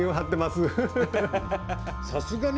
さすがに